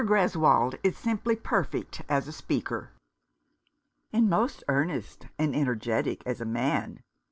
Greswold is simply perfect as a speaker." "And most earnest and energetic as a man.